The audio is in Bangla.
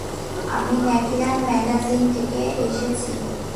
আমি ন্যাকিরান ম্যাগাজিন থেকে এসেছি।